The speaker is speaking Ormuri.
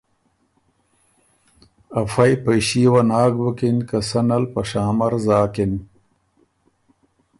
افئ پئݭي وه ناک بُکِن که سنه ل په شامر زاکِن۔